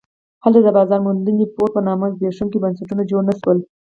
هلته د بازار موندنې بورډ په نامه زبېښونکي بنسټونه جوړ نه شول.